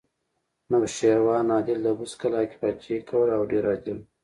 نوشیروان عادل د بست کلا کې پاچاهي کوله او ډېر عادل و